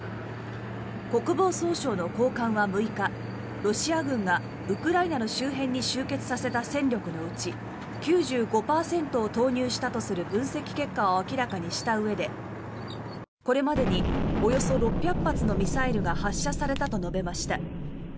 国防総省の高官は６日ロシア軍がウクライナの周辺に集結させた戦力のうち９５％を投入したとする分析結果を明らかにしたうえでこれまでにおよそ６００発のミサイルが発射されたと述べました。